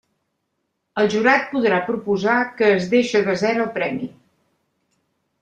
El jurat podrà proposar que es deixe desert el premi.